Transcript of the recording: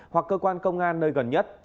hoặc cơ quan công an nơi gần nhất